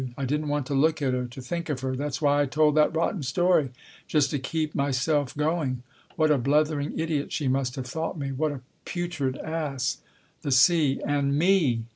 I didn't want to look at her, to think of her. That's why I told that rotten story, just to keep myself going. What a blethering idiot she must have thought me ! What a putrid ass ! The sea And me